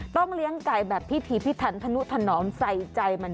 เลี้ยงไก่แบบพิธีพิถันธนุถนอมใส่ใจมัน